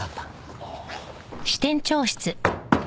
ああ。